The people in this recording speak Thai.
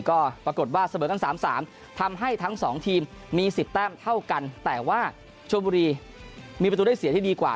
ก็ปรากฏว่าเสมอกัน๓๓ทำให้ทั้งสองทีมมี๑๐แต้มเท่ากันแต่ว่าชมบุรีมีประตูได้เสียที่ดีกว่า